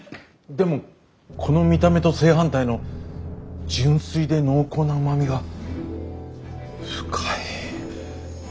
でもこの見た目と正反対の純粋で濃厚なうまみが深い。